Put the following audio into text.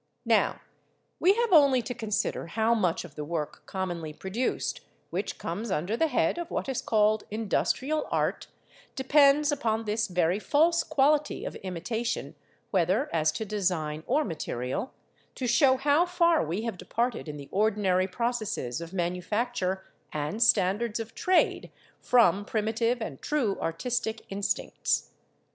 Now, we have only to consider how much of the work commonly produced, which comes under the head of what is called "industrial art," depends upon this very false quality of imitation (whether as to design or material) to show how far we have departed in the ordinary processes of manufacture and standards of trade from primitive and true artistic instincts.